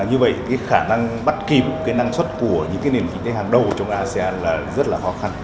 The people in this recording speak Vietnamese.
như vậy khả năng bắt kìm năng suất của những nền kinh tế hàng đầu trong asean là rất là khó khăn